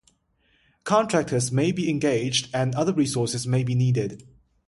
Contractors may be engaged and other resources may be needed.